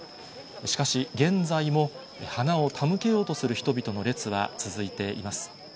しかし、現在も花を手向けようとする人々の列は続いています。